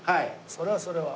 それはそれは。